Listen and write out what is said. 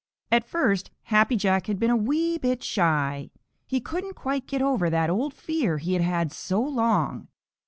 At first Happy Jack had been a wee bit shy. He couldn't quite get over that old fear he had had so long.